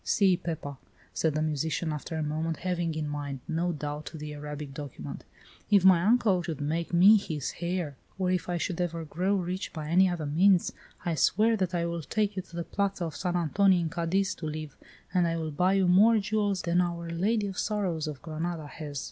See, Pepa," said the musician, after a moment, having in mind, no doubt, the Arabic document, "if my uncle should make me his heir, or if I should ever grow rich by any other means, I swear that I will take you to the Plaza of San Antonio in Cadiz to live, and I will buy you more jewels than Our Lady of Sorrows of Granada has.